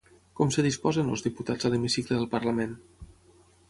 Com es disposen els diputats a l'hemicicle del Parlament?